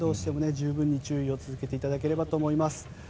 十分に注意を続けていただければと思います。